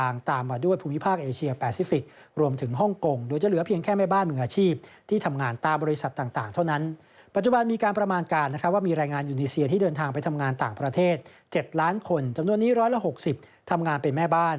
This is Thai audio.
ในแรงงานอินโดนีเซียที่เดินทางไปทำงานต่างประเทศ๗ล้านคนจำนวนนี้๑๖๐ทำงานเป็นแม่บ้าน